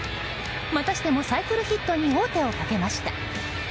またしてもサイクルヒットに王手をかけました。